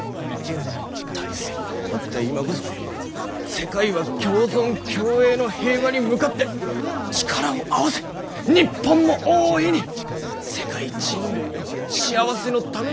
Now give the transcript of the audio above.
大戦が終わった今こそ世界は共存共栄の平和に向かって力を合わせ日本も大いに世界人類の幸せのために力を尽くすべき時なんだ。